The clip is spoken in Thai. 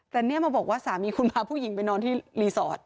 แต่เนี่ยมาบอกว่าสามีคุณพาผู้หญิงไปนอนที่รีสอร์ท